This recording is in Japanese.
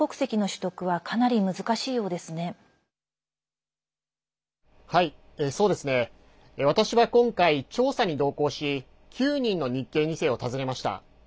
私は今回、調査に同行し９人の日系２世を訪ねました。